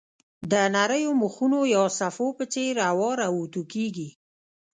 د نریو مخونو یا صفحو په څېر اوار او اوتو کېږي.